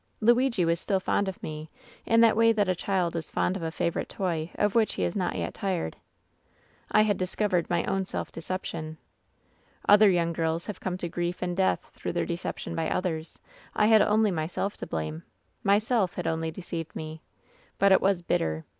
"Luigi was still fond of me in that way that a child is fond of a favorite toy of which he is not yet tired. "I had discovered my own self deception. "Other young girls have come to grief and death through their deception by others. I had only myself to blame ! Myself had only deceived me. But it was bitter